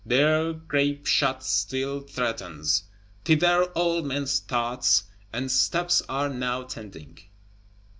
There grape shot still threatens; thither all men's thoughts and steps are now tending.